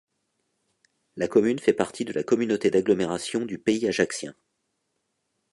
La commune fait partie de la communauté d'agglomération du Pays Ajaccien.